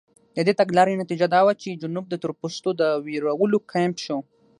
د دې تګلارې نتیجه دا وه چې جنوب د تورپوستو د وېرولو کمپ شو.